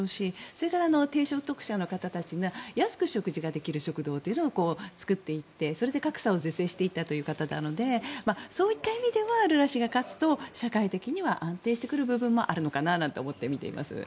それから低所得者の方たちに安く食事ができる食堂を作っていって、それで格差を是正していった方なのでそういった意味ではルラ氏が勝つと社会的には安定してくる部分もあるのかなと思って見ています。